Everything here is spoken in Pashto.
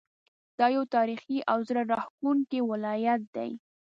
دا یو تاریخي او زړه راښکونکی ولایت دی.